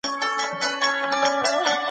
د حقایقو پټول تر درواغ ویلو کمه ګناه نه ده.